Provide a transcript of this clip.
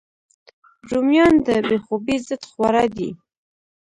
رومیان د بې خوبۍ ضد خواړه دي